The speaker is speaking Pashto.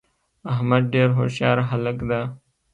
احمدډیرهوښیارهلک ده